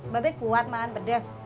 bebe kuat makan pedes